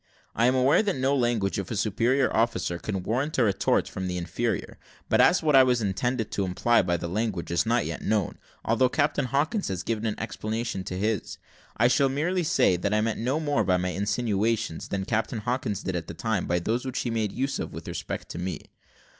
I am aware that no language of a superior officer can warrant a retort from an inferior; but, as what I intended to imply by that language is not yet known, although Captain Hawkins has given an explanation to his; I shall merely say, that I meant no more by my insinuations, than Captain Hawkins did at the time by those which he made use of with respect to me.